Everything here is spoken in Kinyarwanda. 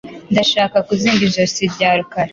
Ndashaka kuzinga ijosi rya Rukara.